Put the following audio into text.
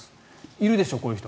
いるでしょう、こういう人。